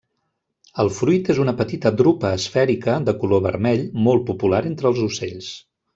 El fruit és una petita drupa esfèrica de color vermell molt popular entre els ocells.